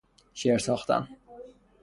شعر ساختن